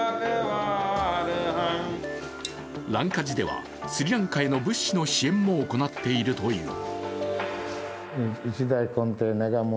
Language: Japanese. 蘭華寺ではスリランカへの物資の支援も行っているという。